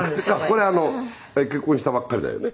これ結婚したばっかりだよね？